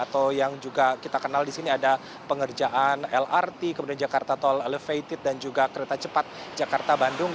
atau yang juga kita kenal di sini ada pengerjaan lrt kemudian jakarta tol elevated dan juga kereta cepat jakarta bandung